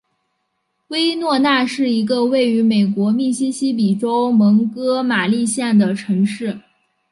威诺纳是一个位于美国密西西比州蒙哥马利县的城市。